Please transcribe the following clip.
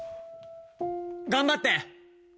・頑張って！